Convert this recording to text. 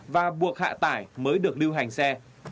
và buộc hạ tải mới được lưu hành xe